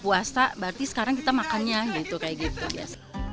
puasa berarti sekarang kita makannya gitu kayak gitu